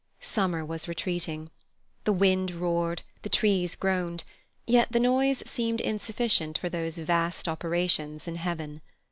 Summer was retreating. The wind roared, the trees groaned, yet the noise seemed insufficient for those vast operations in heaven.